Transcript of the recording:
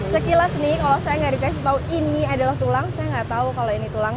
sekilas nih kalau saya nggak dikasih tahu ini adalah tulang saya nggak tahu kalau ini tulang